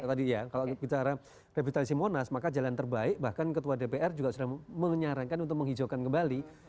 tadi ya kalau bicara revitalisasi monas maka jalan terbaik bahkan ketua dpr juga sudah menyarankan untuk menghijaukan kembali